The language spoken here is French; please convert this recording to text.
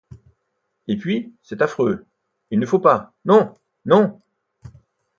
Et puis, c'est affreux, il ne faut pas, non, non!